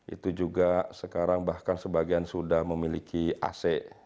itu juga sekarang bahkan sebagian sudah memiliki ac